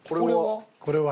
これは？